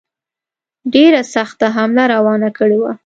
ډېره سخته حمله روانه کړې وه.